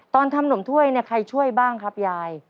ตอนทำหนมถ้วยเนี่ยใครช่วยบ้างครับยาย